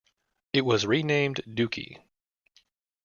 It was renamed Dookie.